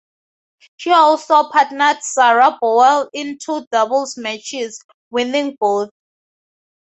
She also partnered Sarah Borwell in two doubles matches, winning both.